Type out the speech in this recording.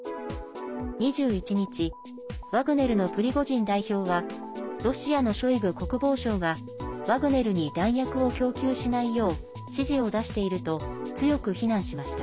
２１日ワグネルのプリゴジン代表はロシアのショイグ国防相がワグネルに弾薬を供給しないよう指示を出していると強く非難しました。